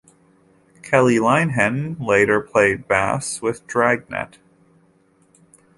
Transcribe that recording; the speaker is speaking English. Kelly Linehan later played bass with Dragnet.